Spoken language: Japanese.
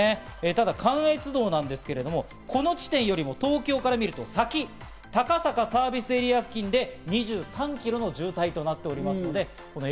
ただ関越道なんですけど、この地点よりも東京から見ると先、高坂サービスエリア付近で２３キロの渋滞となっております。